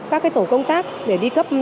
các tổ công tác để đi cấp